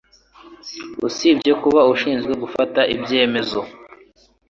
Usibye kuba ashinzwe gufata ibyemezo